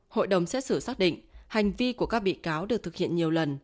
hội đồng xét xử xác định hành vi của các bị cáo được thực hiện nhiều lần